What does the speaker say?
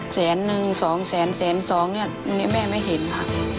แสนนึงสองแสนแสนสองแม่ไม่เห็นครับ